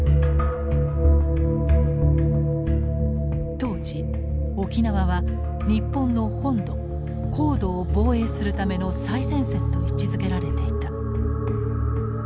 当時沖縄は日本の本土皇土を防衛するための最前線と位置づけられていた。